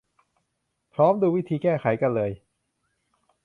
พร้อมดูวิธีแก้ไขกันเลย